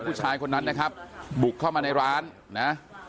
ผู้ชายคนนั้นนะครับบุกเข้ามาในร้านนะ